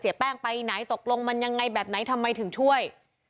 แป้งไปไหนตกลงมันยังไงแบบไหนทำไมถึงช่วย